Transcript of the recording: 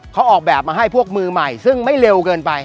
เขาออกแบบมาให้พวกมือใหม่ซึ่งไม่เร็วเกินไป